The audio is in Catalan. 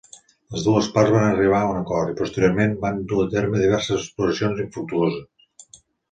Les dues parts van arribar a un acord i, posteriorment, van dur a terme diverses exploracions infructuoses.